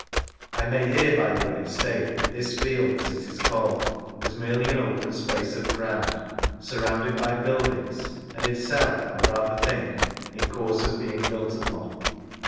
(I may here, by the way, state that this field, as it is called, was merely an open space d ground, surrounded by buildings, and itself, I rather think, in course of being built upcn.).